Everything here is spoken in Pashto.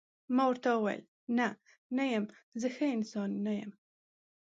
ما ورته وویل: نه، نه یم، زه ښه انسان نه یم.